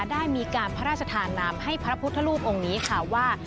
ได้มีการพระราชธานามให้พระพุทธรูปองค์นี้ค่ะว่า